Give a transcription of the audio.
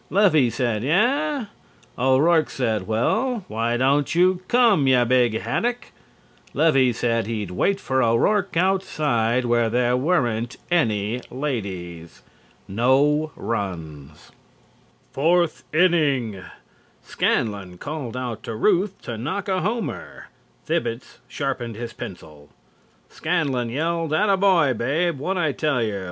Levy said: "Eah?" O'Rourke said: "Well, why don't you come, you big haddock?" Levy said he'd wait for O'Rourke outside where there weren't any ladies. NO RUNS. FOURTH INNING: Scanlon called out to Ruth to knock a homer, Thibbets sharpened his pencil. Scanlon yelled: "Atta boy, Babe, whad' I tell yer!"